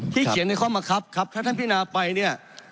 เขียนในข้อมะครับครับถ้าท่านพินาไปเนี่ย